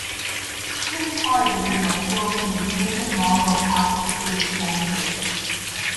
This part of the river flows near the ancient Mongol capital city of Shangdu.